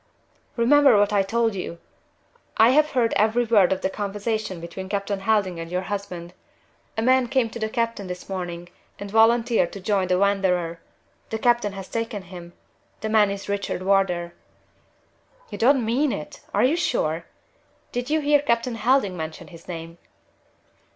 "Remember what I told you. I have heard every word of the conversation between Captain Helding and your husband. A man came to the captain this morning and volunteered to join the Wanderer. The captain has taken him. The man is Richard Wardour." "You don't mean it! Are you sure? Did you hear Captain Helding mention his name?"